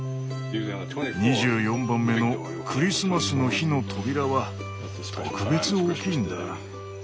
２４番目のクリスマスの日の扉は特別大きいんだ。